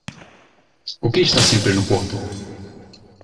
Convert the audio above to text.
O que está sempre no corpo?